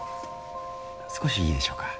少しいいでしょうか。